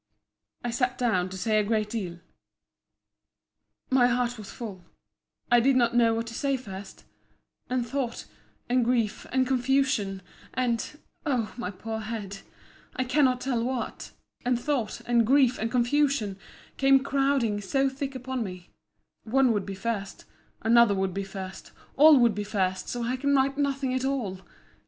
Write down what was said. I sat down to say a great deal—my heart was full—I did not know what to say first—and thought, and grief, and confusion, and (O my poor head) I cannot tell what—and thought, and grief and confusion, came crowding so thick upon me; one would be first; another would be first; all would be first; so I can write nothing at all.